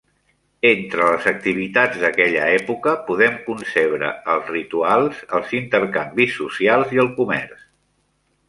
Entre les activitats d'aquella època, podem concebre els rituals, els intercanvis socials i el comerç.